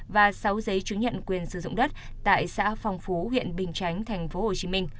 và sáu giấy chứng nhận quyền sử dụng đất tại xã phong phú huyện bình chánh tp hcm